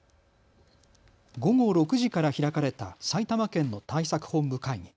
午後６時から開かれた埼玉県の対策本部会議。